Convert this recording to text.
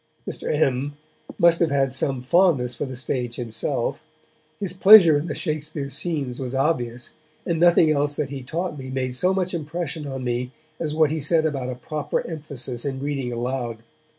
Mr. M. must have had some fondness for the stage himself; his pleasure in the Shakespeare scenes was obvious, and nothing else that he taught me made so much impression on me as what he said about a proper emphasis in reading aloud.